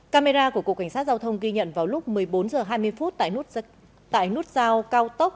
camera của cục cảnh sát giao thông ghi nhận vào lúc một mươi bốn h hai mươi tại nút giao cao tốc